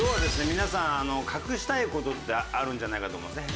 皆さん隠したい事ってあるんじゃないかと思うんですね。